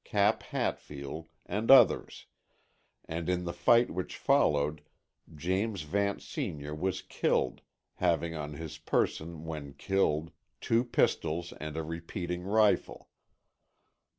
Cap Hatfield and others, and in the fight which followed, James Vance, Sr., was killed, having on his person when killed two pistols and a repeating rifle.